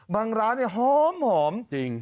บางร้านนี่หอมจริง